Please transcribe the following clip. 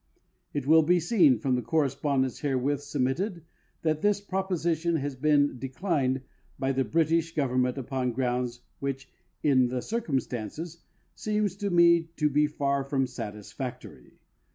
It will be seen from the correspondence herewith submitted that this proposition has been declined by the British government upon grounds which, in the circumstances, seem to me to be far from satisfactory.